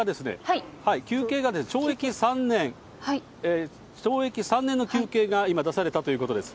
求刑が懲役３年、懲役３年の求刑が今、出されたということです。